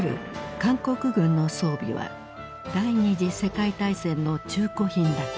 韓国軍の装備は第二次世界大戦の中古品だった。